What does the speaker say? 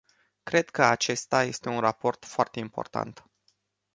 Cred că acesta este un raport foarte important.